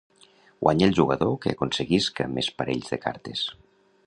Guanya el jugador que aconseguisca més parells de cartes.